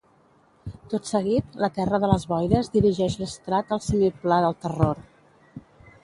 Tot seguit, la Terra de les Boires dirigeix l'Strahd al Semiplà del Terror.